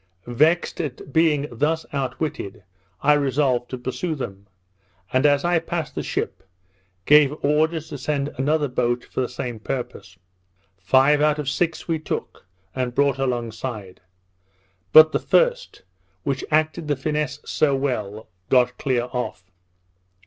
Vexed at being thus outwitted, I resolved to pursue them; and as I passed the ship, gave orders to send another boat for the same purpose. Five out of six we took, and brought alongside; but the first, which acted the finesse so well, got clear off.